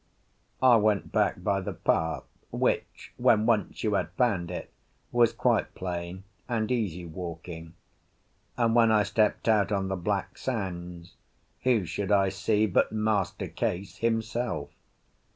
I went back by the path, which, when once you had found it, was quite plain and easy walking; and when I stepped out on the black sands, who should I see but Master Case himself.